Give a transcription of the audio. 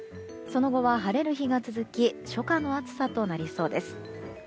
その後は晴れる日が続き初夏の暑さとなりそうです。